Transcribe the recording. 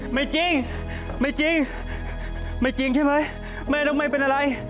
ไม่จริงไม่จริงใช่ไหมแม่ต้องไม่เป็นอะไร